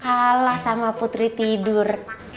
kalah sama putri tidur